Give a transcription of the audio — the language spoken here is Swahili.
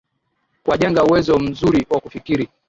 Kuwajenga uwezo mzuri wa kufikiri